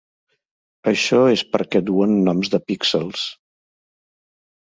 Això és perquè duen noms de píxels.